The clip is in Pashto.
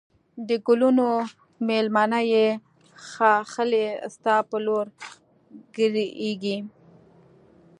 د گلونو مېلمنه یې ښاخلې ستا پر لور کږېږی